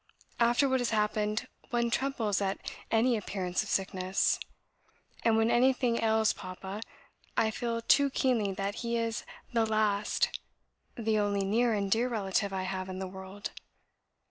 After what has happened, one trembles at any appearance of sickness; and when anything ails Papa, I feel too keenly that he is the LAST the only near and dear relative I have in the world.